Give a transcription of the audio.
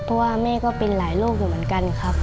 เพราะว่าแม่ก็เป็นหลายโรคอยู่เหมือนกันครับ